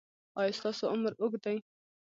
ایا ستاسو عمر اوږد دی؟